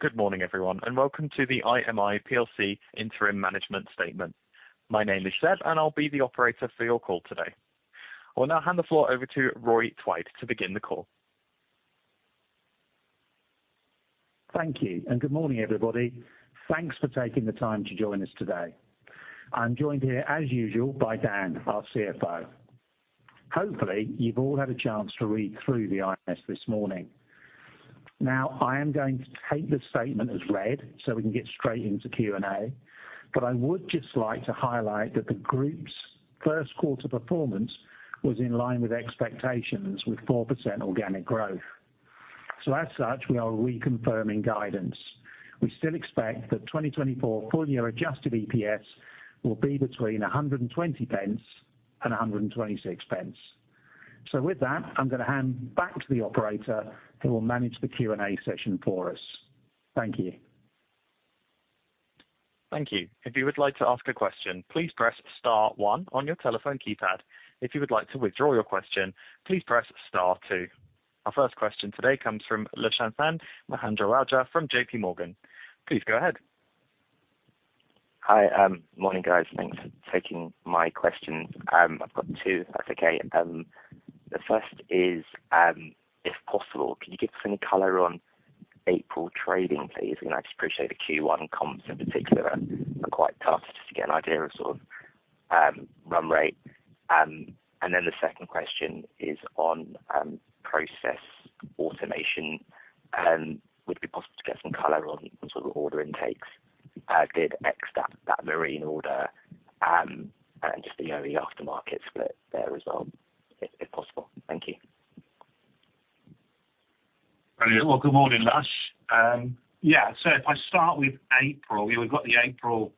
Good morning, everyone, and welcome to the IMI plc interim management statement. My name is Seb, and I'll be the operator for your call today. I will now hand the floor over to Roy Twite to begin the call. Thank you, and good morning, everybody. Thanks for taking the time to join us today. I'm joined here, as usual, by Dan, our CFO. Hopefully, you've all had a chance to read through the IMS this morning. Now, I am going to take the statement as read so we can get straight into Q&A, but I would just like to highlight that the group's first quarter performance was in line with expectations with 4% organic growth. So as such, we are reconfirming guidance. We still expect that 2024 full-year adjusted EPS will be between 1.20 and 1.26. So with that, I'm going to hand back to the operator who will manage the Q&A session for us. Thank you. Thank you. If you would like to ask a question, please press STAR 1 on your telephone keypad. If you would like to withdraw your question, please press STAR 2. Our first question today comes from Lushanthan Mahendrarajah from JPMorgan. Please go ahead. Hi. Morning, guys. Thanks for taking my questions. I've got two, if that's okay. The first is, if possible, can you give us any color on April trading, please? I mean, I just appreciate the Q1 comps in particular are quite tough just to get an idea of sort of run rate. And then the second question is on Process Automation. Would it be possible to get some color on sort of order intakes? Did X. That marine order and just the aftermarket split there as well, if possible. Thank you. Brilliant. Well, good morning, Lash. Yeah. So if I start with April, we've got the April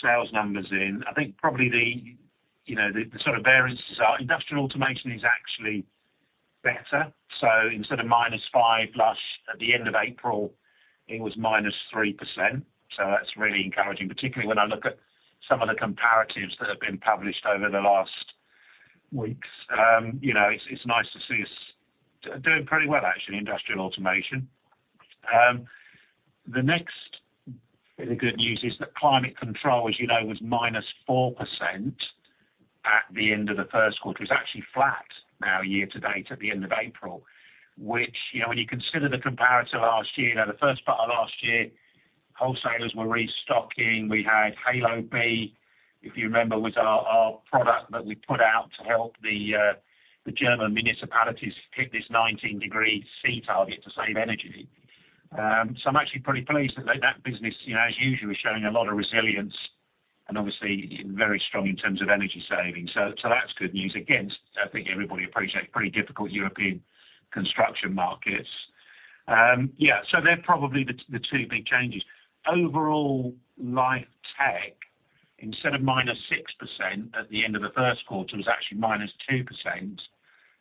sales numbers in. I think probably the sort of variances are Industrial Automation is actually better. So instead of -5%, Lash, at the end of April, it was -3%. So that's really encouraging, particularly when I look at some of the comparatives that have been published over the last weeks. It's nice to see us doing pretty well, actually, Industrial Automation. The next bit of good news is that Climate Control, as you know, was -4% at the end of the first quarter. It was actually flat now year to date at the end of April, which when you consider the comparative last year, the first part of last year, wholesalers were restocking. We had Halo-B, if you remember, was our product that we put out to help the German municipalities hit this 19 degrees Celsius target to save energy. So I'm actually pretty pleased that that business, as usual, is showing a lot of resilience and obviously very strong in terms of energy saving. So that's good news against, I think everybody appreciates, pretty difficult European construction markets. Yeah. So they're probably the two big changes. Overall Life Tech, instead of -6% at the end of the first quarter, was actually -2%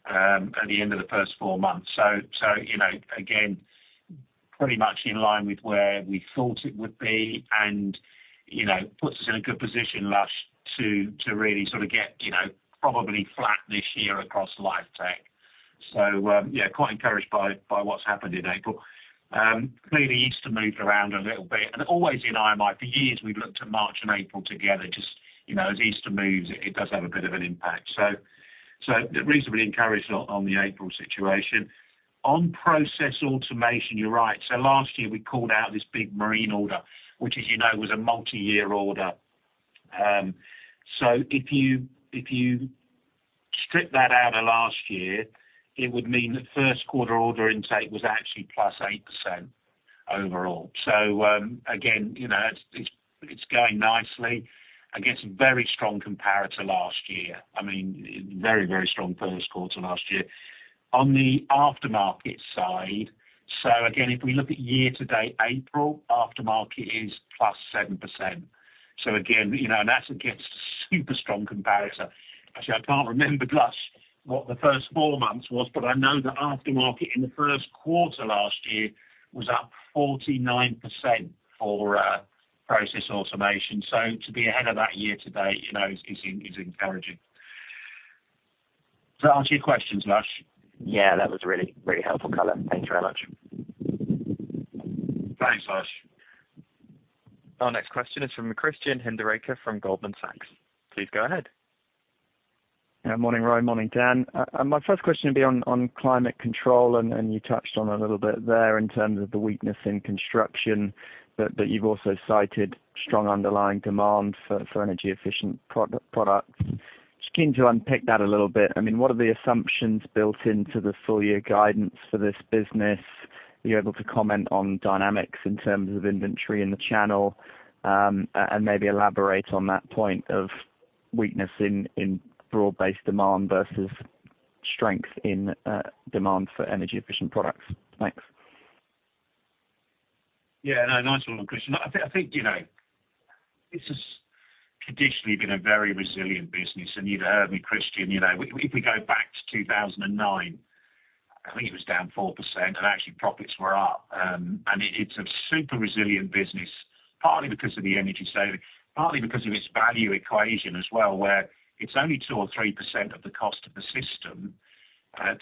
at the end of the first four months. So again, pretty much in line with where we thought it would be and puts us in a good position, Lash, to really sort of get probably flat this year across Life Tech. So yeah, quite encouraged by what's happened in April. Clearly, Easter moved around a little bit. And always in IMI, for years, we've looked at March and April together. Just as Easter moves, it does have a bit of an impact. So reasonably encouraged on the April situation. On process automation, you're right. So last year, we called out this big marine order, which, as you know, was a multi-year order. So if you strip that out of last year, it would mean that first quarter order intake was actually +8% overall. So again, it's going nicely. I guess very strong comparative last year. I mean, very, very strong first quarter last year. On the aftermarket side, so again, if we look at year-to-date April, aftermarket is +7%. So again, and that's against a super strong comparative. Actually, I can't remember, Lash, what the first four months was, but I know the aftermarket in the first quarter last year was up 49% for Process Automation. So to be ahead of that year to date is encouraging. Does that answer your questions, Lash? Yeah. That was a really, really helpful color. Thanks very much. Thanks, Lash. Our next question is from Christian Hinderaker from Goldman Sachs. Please go ahead. Yeah. Morning, Roy. Morning, Dan. My first question would be on climate control, and you touched on it a little bit there in terms of the weakness in construction, but you've also cited strong underlying demand for energy-efficient products. Just keen to unpick that a little bit. I mean, what are the assumptions built into the full-year guidance for this business? Are you able to comment on dynamics in terms of inventory in the channel and maybe elaborate on that point of weakness in broad-based demand versus strength in demand for energy-efficient products? Thanks. Yeah. Nice one, Christian. I think it's traditionally been a very resilient business. You've heard me, Christian. If we go back to 2009, I think it was down 4%, and actually, profits were up. It's a super resilient business, partly because of the energy saving, partly because of its value equation as well, where it's only 2 or 3% of the cost of the system,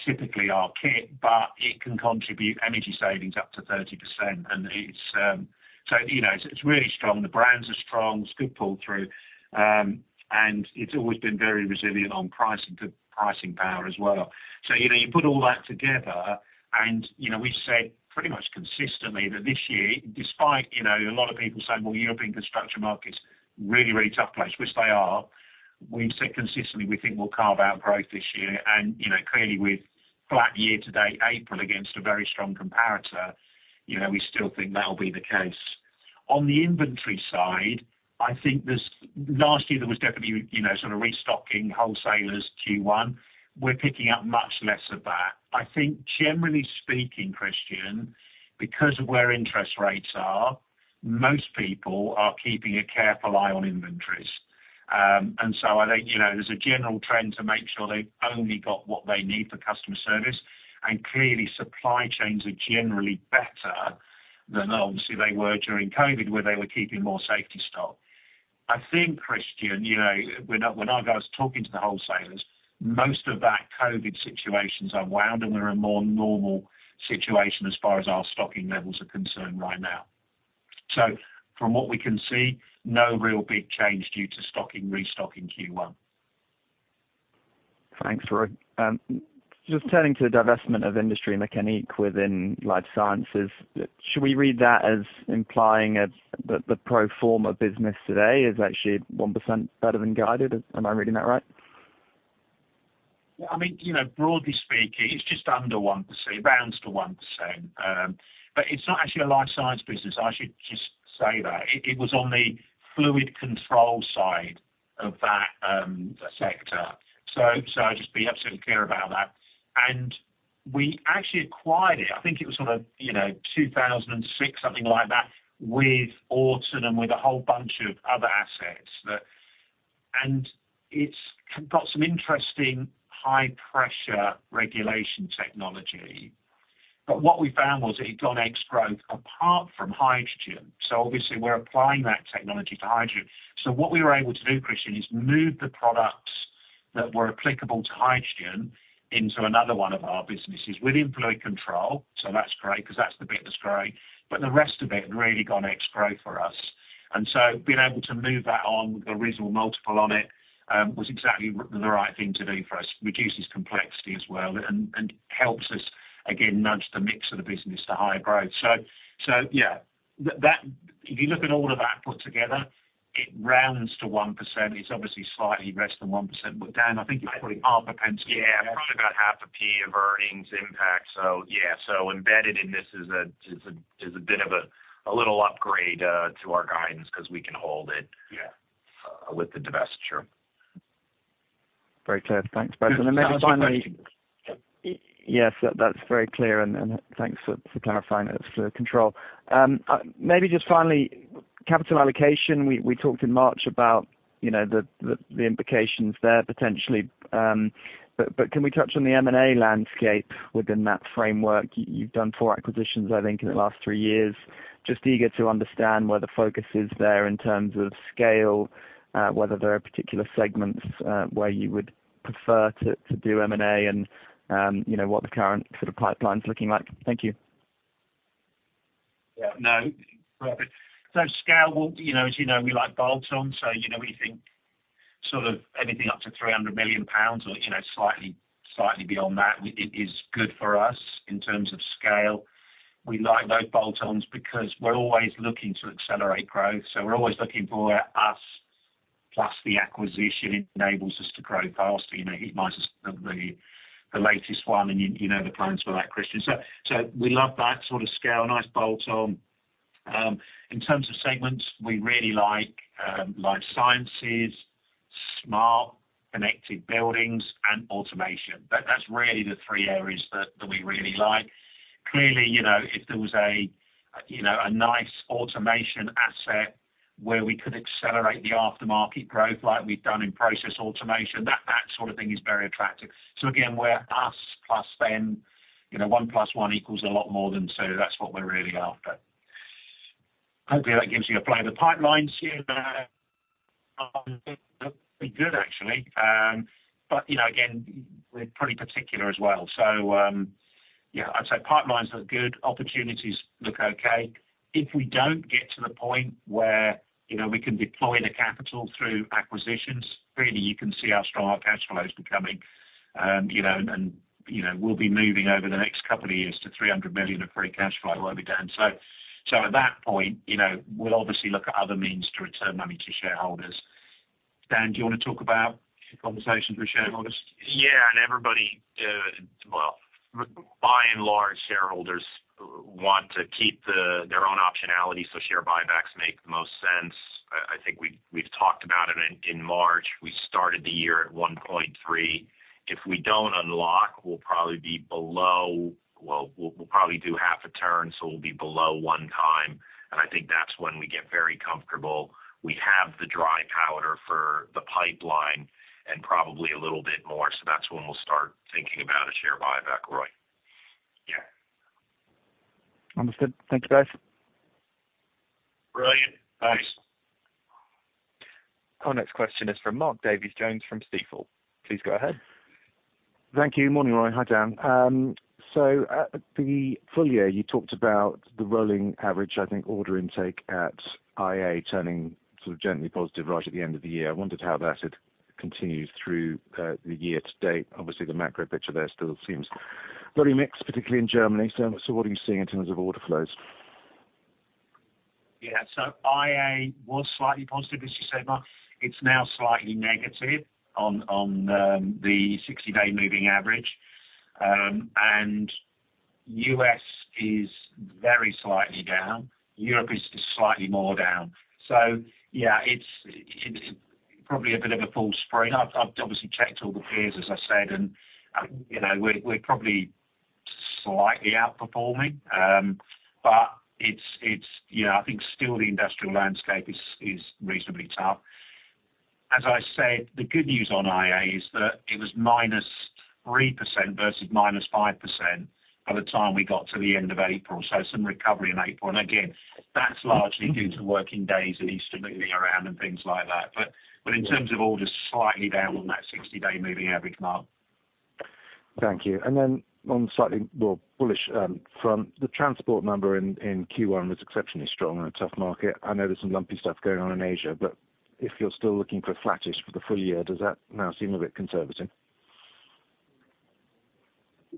typically our kit, but it can contribute energy savings up to 30%. So it's really strong. The brands are strong. It's good pull-through. It's always been very resilient on pricing, good pricing power as well. So you put all that together, and we've said pretty much consistently that this year, despite a lot of people saying, "Well, European construction market's really, really tough place," which they are, we've said consistently, "We think we'll carve out growth this year." And clearly, with flat year-to-date April against a very strong comparator, we still think that'll be the case. On the inventory side, I think last year, there was definitely sort of restocking wholesalers Q1. We're picking up much less of that. I think, generally speaking, Christian, because of where interest rates are, most people are keeping a careful eye on inventories. And so I think there's a general trend to make sure they've only got what they need for customer service. And clearly, supply chains are generally better than obviously they were during COVID, where they were keeping more safety stock. I think, Christian, when our guys are talking to the wholesalers, most of that COVID situation's unwound, and we're in a more normal situation as far as our stocking levels are concerned right now. So from what we can see, no real big change due to restocking Q1. Thanks, Roy. Just turning to the divestment of Industrie Meccaniche within life sciences, should we read that as implying that the pro forma business today is actually 1% better than guided? Am I reading that right? Yeah. I mean, broadly speaking, it's just under 1%, rounds to 1%. But it's not actually a life science business. I should just say that. It was on the fluid control side of that sector. So just be absolutely clear about that. And we actually acquired it. I think it was sort of 2006, something like that, with Orton and with a whole bunch of other assets. And it's got some interesting high-pressure regulation technology. But what we found was it had gone ex-growth apart from hydrogen. So obviously, we're applying that technology to hydrogen. So what we were able to do, Christian, is move the products that were applicable to hydrogen into another one of our businesses within fluid control. So that's great because that's the bit that's growing. But the rest of it had really gone ex-growth for us. And so being able to move that on, we've got a reasonable multiple on it, was exactly the right thing to do for us, reduces complexity as well and helps us, again, nudge the mix of the business to higher growth. So yeah, if you look at all of that put together, it rounds to 1%. It's obviously slightly less than 1%. But Dan, I think you're putting GBP 0.005 on it. Yeah. Probably about 0.5p of earnings impact. So yeah. So embedded in this is a bit of a little upgrade to our guidance because we can hold it with the divestiture. Very clear. Thanks, both. Then maybe finally. Sounds very clear. Yes. That's very clear. Thanks for clarifying that it's fluid control. Maybe just finally, capital allocation. We talked in March about the implications there, potentially. Can we touch on the M&A landscape within that framework? You've done 4 acquisitions, I think, in the last 3 years. Just eager to understand where the focus is there in terms of scale, whether there are particular segments where you would prefer to do M&A, and what the current sort of pipeline's looking like. Thank you. Yeah. No. Perfect. So scale, as you know, we like bolt-ons. So we think sort of anything up to 300 million pounds or slightly beyond that is good for us in terms of scale. We like those bolt-ons because we're always looking to accelerate growth. So we're always looking for us plus the acquisition enables us to grow faster. Heatmiser is the latest one. And you know the plans for that, Christian. So we love that sort of scale, nice bolt-on. In terms of segments, we really like life sciences, smart connected buildings, and automation. That's really the three areas that we really like. Clearly, if there was a nice automation asset where we could accelerate the aftermarket growth like we've done in process automation, that sort of thing is very attractive. So again, we're us plus them. One plus one equals a lot more than two. That's what we're really after. Hopefully, that gives you a flavor. Pipelines here now look pretty good, actually. But again, we're pretty particular as well. So yeah, I'd say pipelines look good. Opportunities look okay. If we don't get to the point where we can deploy the capital through acquisitions, clearly, you can see how strong our cash flow is becoming. And we'll be moving over the next couple of years to 300 million of free cash flow. I won't be done. So at that point, we'll obviously look at other means to return money to shareholders. Dan, do you want to talk about conversations with shareholders? Yeah. And everybody, well, by and large, shareholders want to keep their own optionality, so share buybacks make the most sense. I think we've talked about it in March. We started the year at 1.3. If we don't unlock, we'll probably be below well, we'll probably do half a turn, so we'll be below one time. And I think that's when we get very comfortable. We have the dry powder for the pipeline and probably a little bit more. So that's when we'll start thinking about a share buyback, Roy. Yeah. Understood. Thank you, guys. Brilliant. Thanks. Our next question is from Mark Davies Jones from Stifel. Please go ahead. Thank you. Morning, Roy. Hi, Dan. So at the full year, you talked about the rolling average, I think, order intake at IA turning sort of gently positive right at the end of the year. I wondered how that had continued through the year to date. Obviously, the macro picture there still seems very mixed, particularly in Germany. So what are you seeing in terms of order flows? Yeah. So IA was slightly positive, as you said, Mark. It's now slightly negative on the 60-day moving average. And U.S. is very slightly down. Europe is slightly more down. So yeah, it's probably a bit of a full spring. I've obviously checked all the peers, as I said, and we're probably slightly outperforming. But I think still, the industrial landscape is reasonably tough. As I said, the good news on IA is that it was -3% versus -5% by the time we got to the end of April, so some recovery in April. And again, that's largely due to working days and Easter moving around and things like that. But in terms of orders, slightly down on that 60-day moving average, Mark. Thank you. Then on slightly, well, bullish front, the transport number in Q1 was exceptionally strong in a tough market. I know there's some lumpy stuff going on in Asia. But if you're still looking for a flattish for the full year, does that now seem a bit conservative?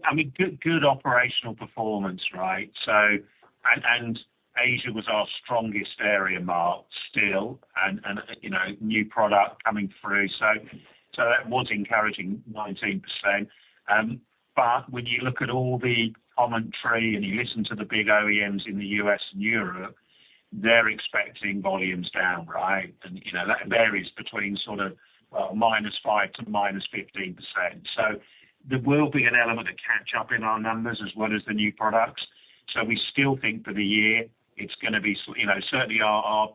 I mean, good operational performance, right? And Asia was our strongest area, Mark, still, and new product coming through. So that was encouraging, 19%. But when you look at all the commentary and you listen to the big OEMs in the U.S. and Europe, they're expecting volumes down, right? And that varies between sort of, well, -5%-15%. So there will be an element of catch-up in our numbers as well as the new products. So we still think for the year, it's going to be certainly, our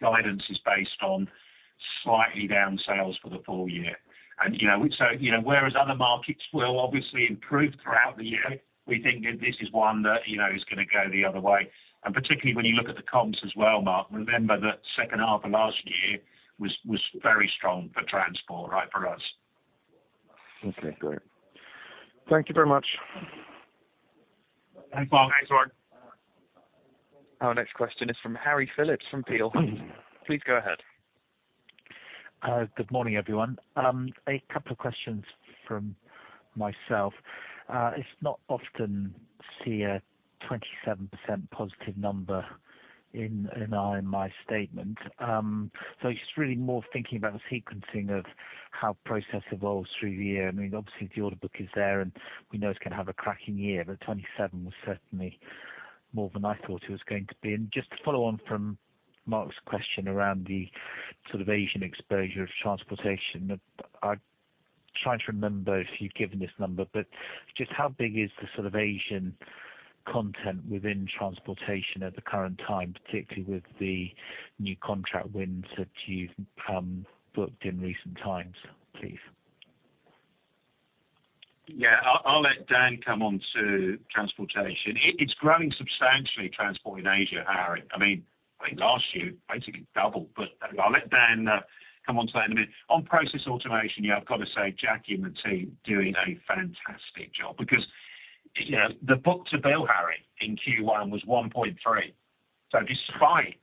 guidance is based on slightly down sales for the full year. And so whereas other markets will obviously improve throughout the year, we think that this is one that is going to go the other way. Particularly when you look at the comps as well, Mark, remember that second half of last year was very strong for transport, right, for us. Okay. Great. Thank you very much. Thanks, Mark. Thanks, Roy. Our next question is from Harry Philips from Peel. Please go ahead. Good morning, everyone. A couple of questions from myself. It's not often to see a 27% positive number in either my statement. It's just really more thinking about the sequencing of how process evolves through the year. I mean, obviously, the order book is there, and we know it's going to have a cracking year. But 27 was certainly more than I thought it was going to be. And just to follow on from Mark's question around the sort of Asian exposure of transportation, I'm trying to remember if you've given this number, but just how big is the sort of Asian content within transportation at the current time, particularly with the new contract wins that you've booked in recent times, please? Yeah. I'll let Dan come on to transportation. It's growing substantially, Transport in Asia, Harry. I mean, I think last year, it basically doubled. But I'll let Dan come on to that in a minute. On Process Automation, I've got to say Jackie and the team are doing a fantastic job because the book to bill, Harry, in Q1 was 1.3. So despite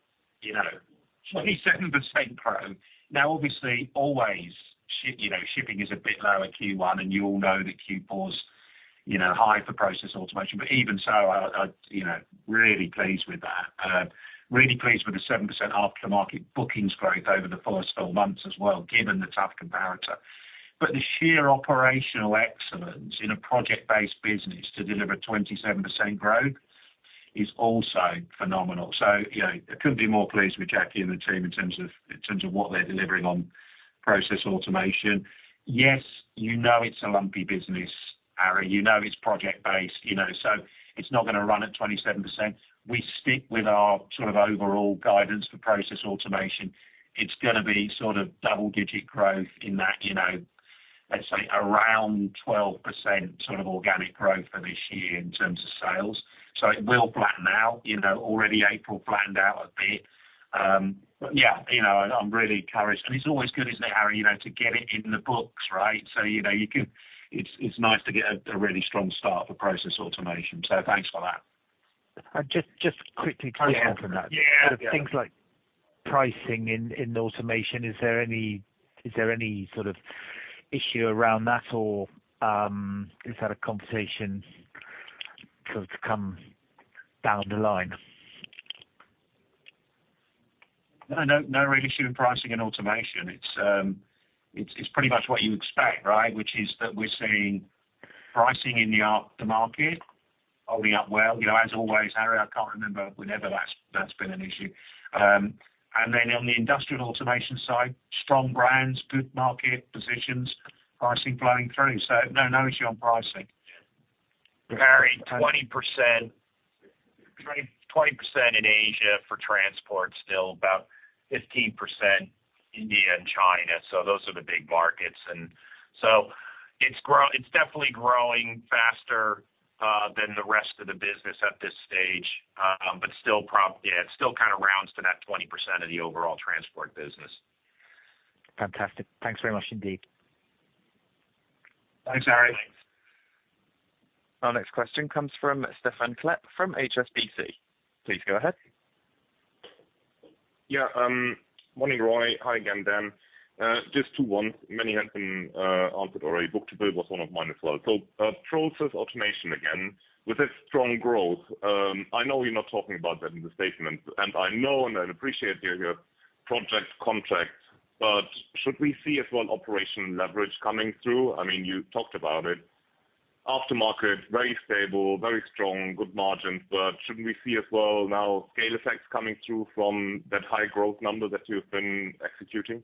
27% growth, now, obviously, always, shipping is a bit lower Q1, and you all know that Q4's high for Process Automation. But even so, I'm really pleased with that, really pleased with the 7% aftermarket bookings growth over the first four months as well, given the tough comparator. But the sheer operational excellence in a project-based business to deliver 27% growth is also phenomenal. So I couldn't be more pleased with Jackie and the team in terms of what they're delivering on Process Automation. Yes, you know it's a lumpy business, Harry. You know it's project-based. So it's not going to run at 27%. We stick with our sort of overall guidance for process automation. It's going to be sort of double-digit growth in that, let's say, around 12% sort of organic growth for this year in terms of sales. So it will flatten out. Already, April flattened out a bit. But yeah, I'm really encouraged. And it's always good, isn't it, Harry, to get it in the books, right? So it's nice to get a really strong start for process automation. So thanks for that. Just quickly coming on from that, sort of things like pricing in Automation, is there any sort of issue around that, or is that a conversation sort of to come down the line? No real issue in pricing and automation. It's pretty much what you expect, right, which is that we're seeing pricing in the aftermarket holding up well. As always, Harry, I can't remember whenever that's been an issue. And then on the industrial automation side, strong brands, good market positions, pricing flowing through. So no, no issue on pricing. Harry, 20% in Asia for transport, still about 15% India and China. So those are the big markets. And so it's definitely growing faster than the rest of the business at this stage, but still, yeah, it still kind of rounds to that 20% of the overall transport business. Fantastic. Thanks very much, indeed. Thanks, Harry. Thanks. Our next question comes from Stephan Klepp from HSBC. Please go ahead. Yeah. Morning, Roy. Hi again, Dan. Just two ones. Many have been answered already. Book-to-bill was one of mine as well. So Process Automation, again, with its strong growth, I know you're not talking about that in the statement, and I know and I appreciate your project contract, but should we see as well operational leverage coming through? I mean, you talked about it. Aftermarket, very stable, very strong, good margins. But shouldn't we see as well now scale effects coming through from that high growth number that you've been executing?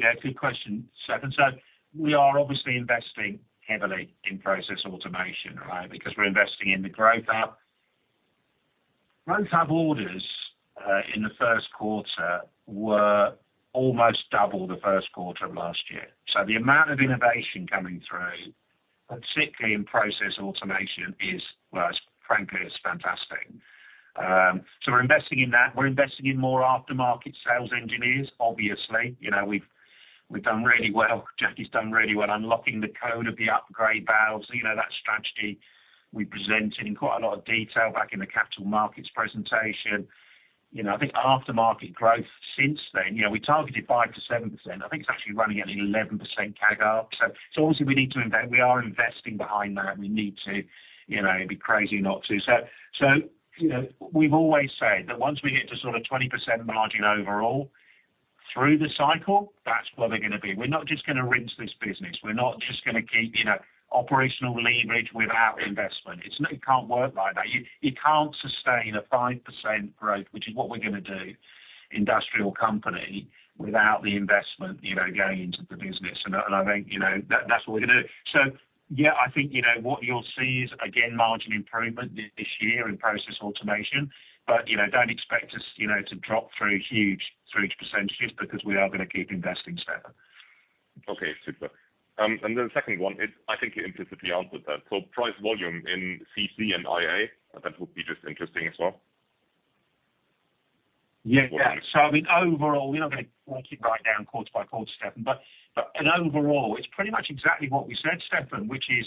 Yeah. It's a good question, Stephan. So we are obviously investing heavily in process automation, right, because we're investing in the growth up. Growth up orders in the first quarter were almost double the first quarter of last year. So the amount of innovation coming through, particularly in process automation, is, frankly, fantastic. So we're investing in that. We're investing in more aftermarket sales engineers, obviously. We've done really well. Jackie's done really well unlocking the code of the upgrade valves, that strategy we presented in quite a lot of detail back in the capital markets presentation. I think aftermarket growth since then, we targeted 5%-7%. I think it's actually running at an 11% CAGR. So obviously, we need to we are investing behind that. We need to. It'd be crazy not to. So we've always said that once we get to sort of 20% margin overall through the cycle, that's where we're going to be. We're not just going to rinse this business. We're not just going to keep operational leverage without investment. It can't work like that. You can't sustain a 5% growth, which is what we're going to do, industrial company, without the investment going into the business. And I think that's what we're going to do. So yeah, I think what you'll see is, again, margin improvement this year in Process Automation. But don't expect us to drop through huge percentages because we are going to keep investing, Stephan. Okay. Super. And then the second one, I think you implicitly answered that. So price volume in CC and IA, that would be just interesting as well. Yeah. So I mean, overall, we're not going to break it right down quarter by quarter, Stephan. But overall, it's pretty much exactly what we said, Stephan, which is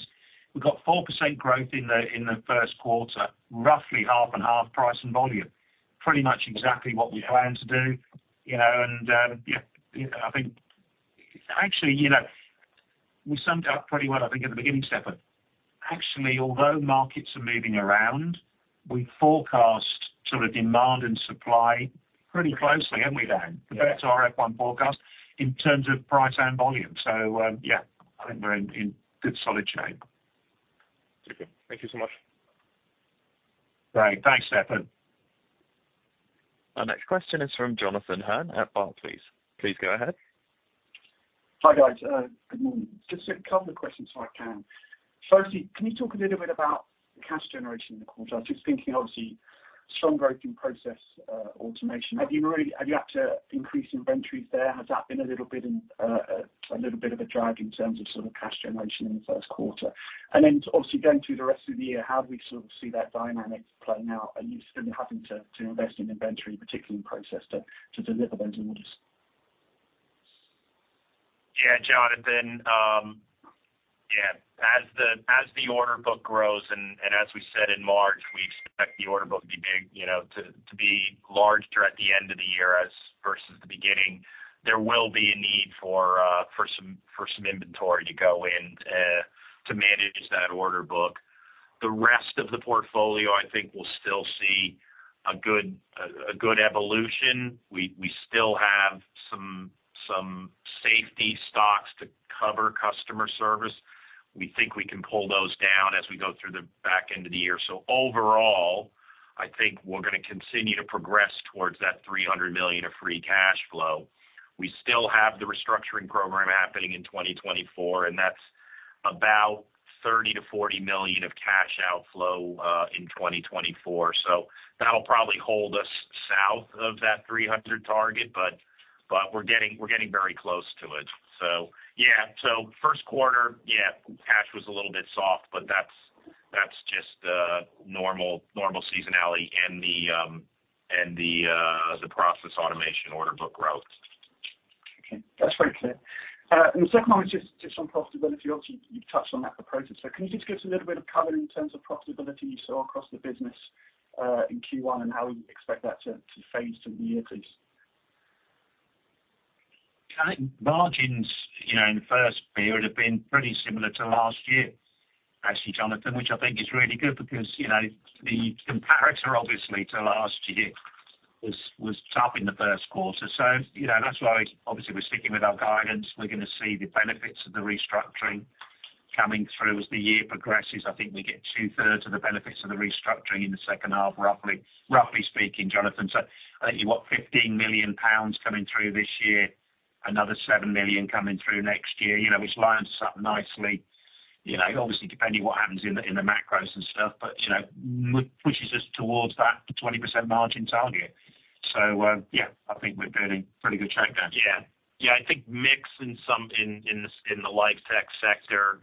we've got 4% growth in the first quarter, roughly half and half price and volume, pretty much exactly what we plan to do. And yeah, I think actually, we summed it up pretty well, I think, at the beginning, Stephan. Actually, although markets are moving around, we forecast sort of demand and supply pretty closely, haven't we, Dan? The better RF1 forecast in terms of price and volume. So yeah, I think we're in good, solid shape. Super. Thank you so much. Great. Thanks, Stephan. Our next question is from Jonathan Hurn at Barclays, please. Please go ahead. Hi, guys. Good morning. Just a couple of questions if I can. Firstly, can you talk a little bit about cash generation in the quarter? I was just thinking, obviously, strong growth in process automation. Have you had to increase inventories there? Has that been a little bit of a drag in terms of sort of cash generation in the first quarter? And then obviously, going through the rest of the year, how do we sort of see that dynamic playing out? Are you still having to invest in inventory, particularly in process, to deliver those orders? Yeah, John. And then yeah, as the order book grows and as we said in March, we expect the order book to be big to be larger at the end of the year versus the beginning. There will be a need for some inventory to go in to manage that order book. The rest of the portfolio, I think, will still see a good evolution. We still have some safety stocks to cover customer service. We think we can pull those down as we go through the back end of the year. So overall, I think we're going to continue to progress towards that 300 million of free cash flow. We still have the restructuring program happening in 2024, and that's about 30 million-40 million of cash outflow in 2024. So that'll probably hold us south of that 300 target, but we're getting very close to it. Yeah, first quarter cash was a little bit soft, but that's just normal seasonality and the Process Automation order book growth. Okay. That's very clear. And the second one was just on profitability. Obviously, you've touched on that for process. So can you just give us a little bit of cover in terms of profitability you saw across the business in Q1 and how you expect that to phase through the year, please? I think margins in the first period have been pretty similar to last year, actually, Jonathan, which I think is really good because the comparator, obviously, to last year was tough in the first quarter. So that's why, obviously, we're sticking with our guidance. We're going to see the benefits of the restructuring coming through as the year progresses. I think we get two-thirds of the benefits of the restructuring in the second half, roughly speaking, Jonathan. So I think you've got 15 million pounds coming through this year, another 7 million coming through next year, which lines us up nicely, obviously, depending on what happens in the macros and stuff, but pushes us towards that 20% margin target. So yeah, I think we're doing a pretty good shot, Dan. Yeah. Yeah. I think mix in the Life Tech sector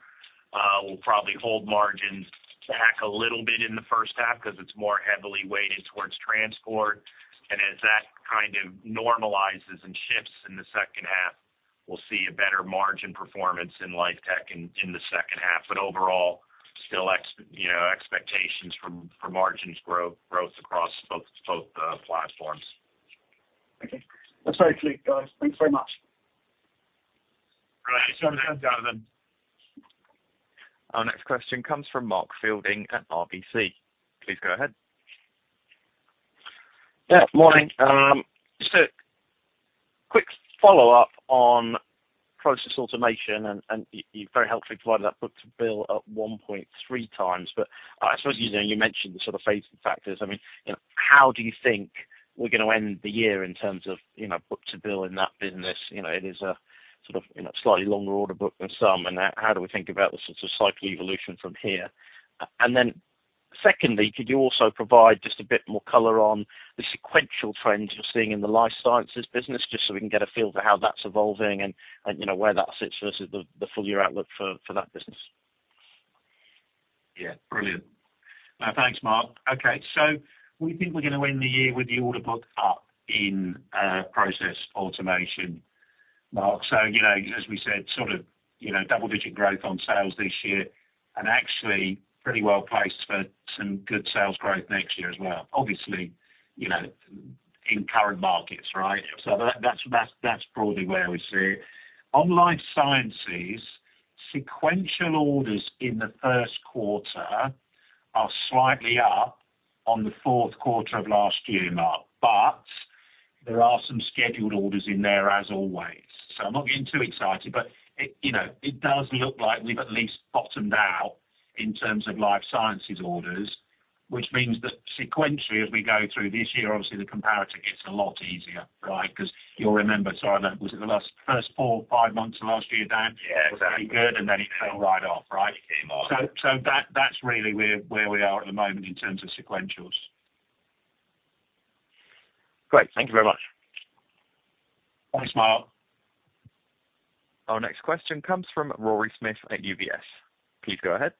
will probably hold margin back a little bit in the first half because it's more heavily weighted towards Transport. And as that kind of normalizes and shifts in the second half, we'll see a better margin performance in Life Tech in the second half. But overall, still expectations for margins growth across both platforms. Okay. That's very clear, guys. Thanks very much. Right. Thanks, Jonathan. Our next question comes from Mark Fielding at RBC. Please go ahead. Yeah. Morning. Just a quick follow-up on process automation. And you very helpfully provided that book to bill at 1.3 times. But I suppose you mentioned the sort of phase factors. I mean, how do you think we're going to end the year in terms of book to bill in that business? It is a sort of slightly longer order book than some. And how do we think about the sort of cycle evolution from here? And then secondly, could you also provide just a bit more color on the sequential trends you're seeing in the life sciences business just so we can get a feel for how that's evolving and where that sits versus the full-year outlook for that business? Yeah. Brilliant. Thanks, Mark. Okay. So we think we're going to end the year with the order book up in process automation, Mark. So as we said, sort of double-digit growth on sales this year and actually pretty well placed for some good sales growth next year as well, obviously, in current markets, right? So that's broadly where we see it. On life sciences, sequential orders in the first quarter are slightly up on the fourth quarter of last year, Mark, but there are some scheduled orders in there as always. So I'm not getting too excited, but it does look like we've at least bottomed out in terms of life sciences orders, which means that sequentially, as we go through this year, obviously, the comparator gets a lot easier, right, because you'll remember sorry, was it the first four or five months of last year, Dan? It was pretty good, and then it fell right off, right? So that's really where we are at the moment in terms of sequentials. Great. Thank you very much. Thanks, Mark. Our next question comes from Rory Smith at UBS. Please go ahead.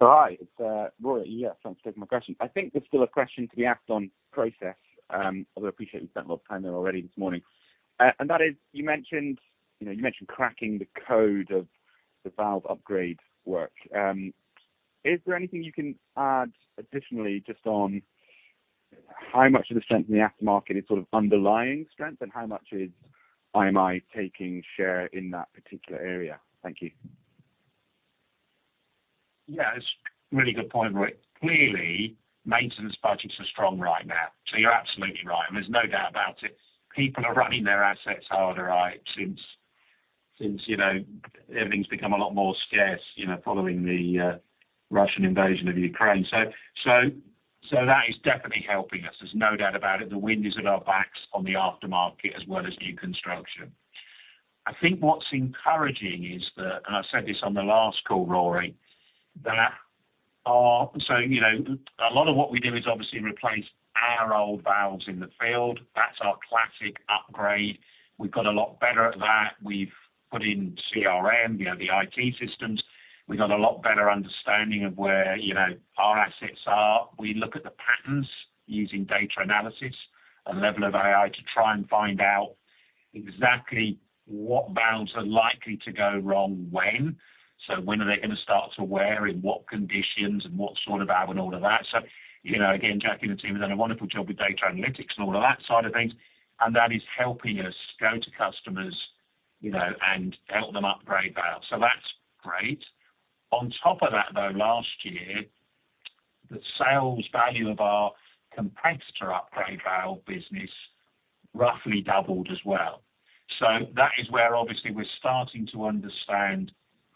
Hi. It's Rory. Yeah. Thanks for taking my question. I think there's still a question to be asked on process, although I appreciate we've spent a lot of time there already this morning. That is, you mentioned cracking the code of the valve upgrade work. Is there anything you can add additionally just on how much of the strength in the aftermarket is sort of underlying strength, and how much is IMI taking share in that particular area? Thank you. Yeah. It's a really good point, Roy. Clearly, maintenance budgets are strong right now. So you're absolutely right. And there's no doubt about it. People are running their assets harder, right, since everything's become a lot more scarce following the Russian invasion of Ukraine. So that is definitely helping us. There's no doubt about it. The wind is at our backs on the aftermarket as well as new construction. I think what's encouraging is that, and I said this on the last call, Rory, that so a lot of what we do is obviously replace our old valves in the field. That's our classic upgrade. We've got a lot better at that. We've put in CRM, the IT systems. We've got a lot better understanding of where our assets are. We look at the patterns using data analysis, a level of AI to try and find out exactly what valves are likely to go wrong when. So when are they going to start to wear, in what conditions, and what sort of valve, and all of that? So again, Jackie and the team have done a wonderful job with data analytics and all of that side of things. And that is helping us go to customers and help them upgrade valves. So that's great. On top of that, though, last year, the sales value of our competitor upgrade valve business roughly doubled as well. So that is where, obviously, we're starting to understand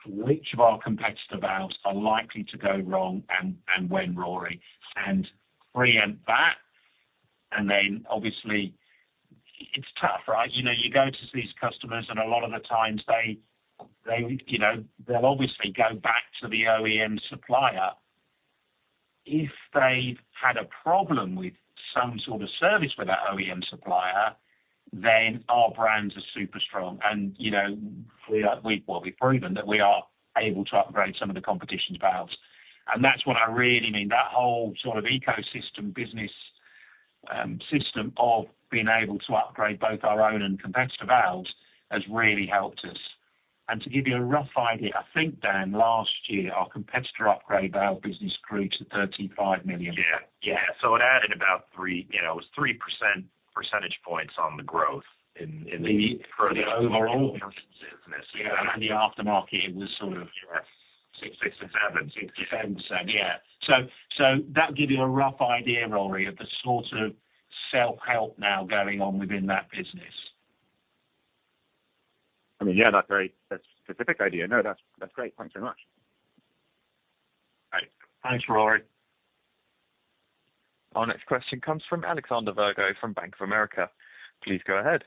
which of our competitor valves are likely to go wrong and when, Rory, and preempt that. And then obviously, it's tough, right? You go to these customers, and a lot of the times, they'll obviously go back to the OEM supplier. If they've had a problem with some sort of service with that OEM supplier, then our brands are super strong. Well, we've proven that we are able to upgrade some of the competition's valves. That's what I really mean. That whole sort of ecosystem, business system of being able to upgrade both our own and competitor valves has really helped us. To give you a rough idea, I think, Dan, last year, our competitor upgrade valve business grew to 35 million valves. Yeah. Yeah. So it added about 3% percentage points on the growth for the overall business. Yeah. The aftermarket, it was sort of. 66%. 67%. Yeah. So that gives you a rough idea, Rory, of the sort of self-help now going on within that business. I mean, yeah, that's a very specific idea. No, that's great. Thanks very much. Great. Thanks, Rory. Our next question comes from Alexander Virgo from Bank of America. Please go ahead.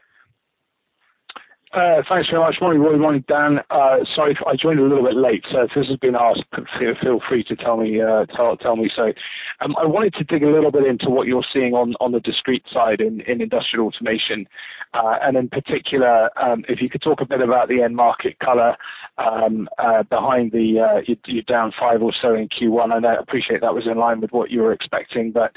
Thanks very much. Morning, Rory. Morning, Dan. Sorry if I joined a little bit late. So if this has been asked, feel free to tell me. So I wanted to dig a little bit into what you're seeing on the discrete side in Industrial Automation. And in particular, if you could talk a bit about the end market color behind the you're down 5 or so in Q1. And I appreciate that was in line with what you were expecting. But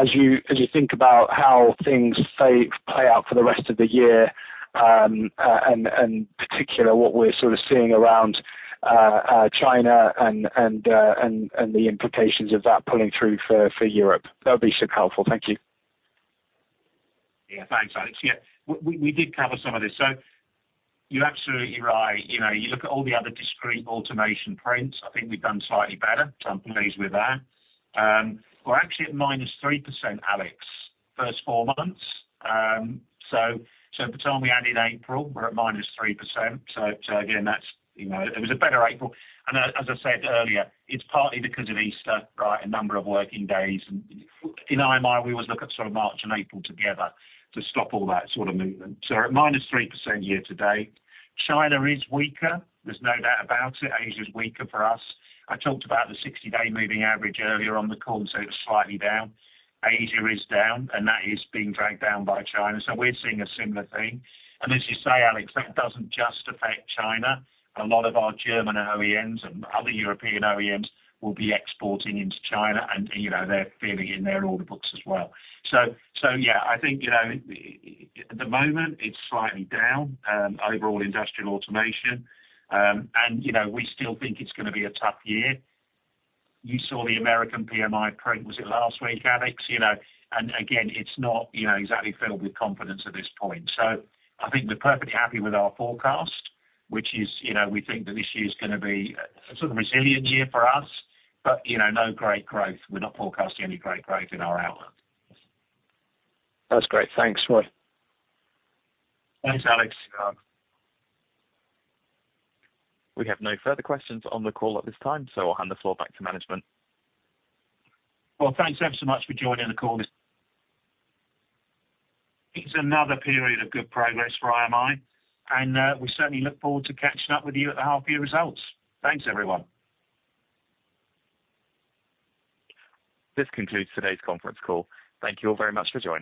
as you think about how things play out for the rest of the year and in particular, what we're sort of seeing around China and the implications of that pulling through for Europe, that would be super helpful. Thank you. Yeah. Thanks, Alex. Yeah. We did cover some of this. So you're absolutely right. You look at all the other discrete automation prints. I think we've done slightly better. I'm pleased with that. We're actually at -3%, Alex, first four months. So for the time we had in April, we're at -3%. So again, it was a better April. And as I said earlier, it's partly because of Easter, right, a number of working days. And in IMI, we always look at sort of March and April together to stop all that sort of movement. So we're at -3% year to date. China is weaker. There's no doubt about it. Asia's weaker for us. I talked about the 60-day moving average earlier on the call, and so it was slightly down. Asia is down, and that is being dragged down by China. So we're seeing a similar thing. And as you say, Alex, that doesn't just affect China. A lot of our German OEMs and other European OEMs will be exporting into China, and they're feeling it in their order books as well. So yeah, I think at the moment, it's slightly down overall Industrial Automation. And we still think it's going to be a tough year. You saw the American PMI print, was it last week, Alex? And again, it's not exactly filled with confidence at this point. So I think we're perfectly happy with our forecast, which is we think that this year is going to be a sort of resilient year for us, but no great growth. We're not forecasting any great growth in our outlook. That's great. Thanks, Roy. Thanks, Alex. We have no further questions on the call at this time, so I'll hand the floor back to management. Well, thanks ever so much for joining the call. It's another period of good progress for IMI. We certainly look forward to catching up with you at the half-year results. Thanks, everyone. This concludes today's conference call. Thank you all very much for joining.